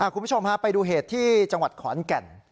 คุณผู้ชมฮะไปดูเหตุที่จังหวัดขอนแก่น